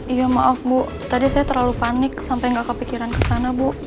iya maaf bu tadi saya terlalu panik sampai gak kepikiran ke sana bu